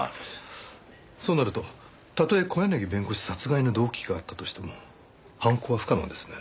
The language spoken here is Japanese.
そうなるとたとえ小柳弁護士殺害の動機があったとしても犯行は不可能ですね。